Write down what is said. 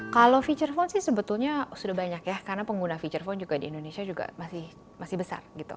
kalau feature phone sih sebetulnya sudah banyak ya karena pengguna feature phone juga di indonesia juga masih besar gitu